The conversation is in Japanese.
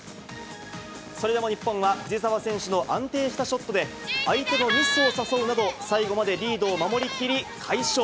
それでも日本は藤澤選手の安定したショットで、相手のミスを誘うなど、最後までリードを守りきり快勝。